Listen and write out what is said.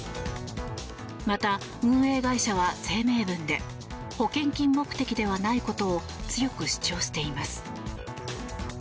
また、運営会社は声明文で保険金目的ではないことを強く主張しています。